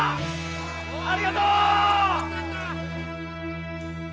ありがとう！